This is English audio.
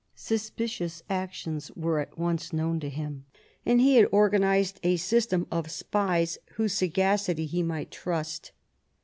Suspicious actions were at once known to him ; and he had organised a system of spies, whose sagacity he might trust.